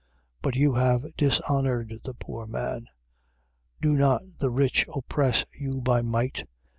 But you have dishonoured the poor man. Do not the rich oppress you by might?